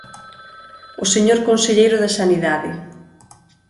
O señor Conselleiro de Sanidade.